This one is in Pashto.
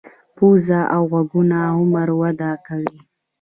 پوزه او غوږونه عمر وده کوي.